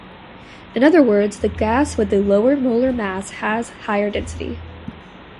In other words, the gas with the lower molar mass has a higher density.